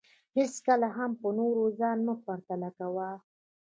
هېڅکله هم په نورو ځان مه پرتله کوه